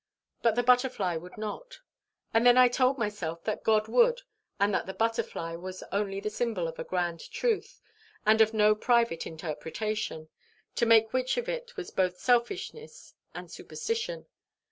But the butterfly would not. And then I told myself that God would, and that the butterfly was only the symbol of a grand truth, and of no private interpretation, to make which of it was both selfishness and superstition.